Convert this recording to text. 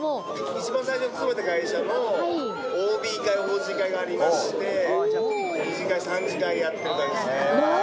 一番最初に勤めた会社のＯＢ会、ＯＧ会がありまして、２次会、３次会やってたんですね。